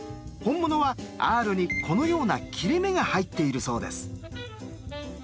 本物はＲにこのような切れ目が入っているそうです。